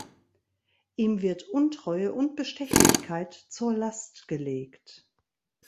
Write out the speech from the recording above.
Ihm wird Untreue und Bestechlichkeit zur Last gelegt.